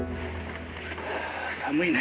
寒いね